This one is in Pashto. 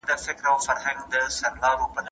ما به له هغوی څخه د نوي درس پوښتنې کولې.